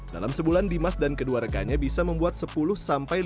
dalam sebulan timas dan kedua rekannya bisa membuat sepuluh sampai sepuluh film